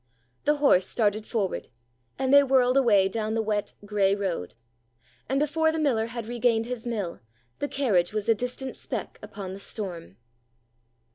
The horse started forward, and they whirled away down the wet, gray road. And before the miller had regained his mill, the carriage was a distant speck upon the storm.